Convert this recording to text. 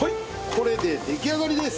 これで出来上がりです。